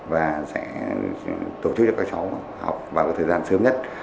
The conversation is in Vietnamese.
và sẽ tổ chức cho các cháu học vào thời gian sớm nhất